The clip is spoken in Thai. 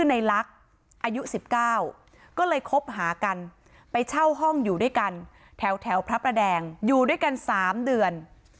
ในลักษณ์อายุ๑๙ก็เลยคบหากันไปเช่าห้องอยู่ด้วยกันแถวพระประแดงอยู่ด้วยกัน๓เดือน